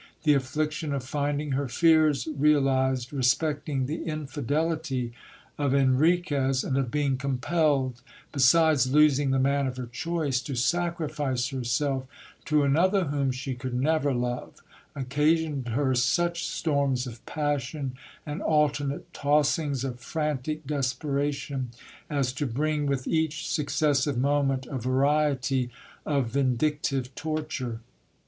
The affliction of finding her fears realized respecting the in fidelity of Enriquez, and of being compelled, besides losing the man of her choice, to sacrifice herself to another whom she could never love, occasioned her such storms of passion and alternate tossings of frantic desperation, as to bring THE FATAL MARRIAGE. with each successive moment a variety of vindictive torture.